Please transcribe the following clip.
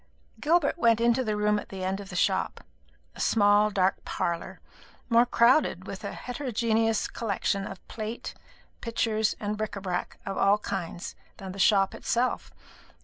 Gilbert went into the room at the end of the shop a small dark parlour, more crowded with a heterogeneous collection of plate, pictures, and bric a brac of all kinds than the shop itself.